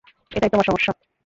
এটাই তোমার সমস্যা।